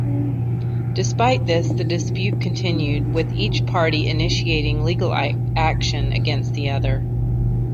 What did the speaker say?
Despite this, the dispute continued, with each party initiating legal action against the other.